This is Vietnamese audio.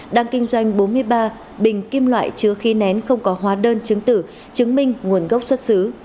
đang kinh doanh bốn mươi ba bình kim loại chứa khí nén không có hóa đơn chứng tử chứng minh nguồn gốc xuất xứ